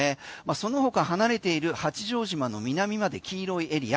その他離れている八丈島の南まで黄色いエリア。